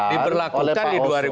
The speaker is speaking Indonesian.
diberlakukan di dua ribu sembilan belas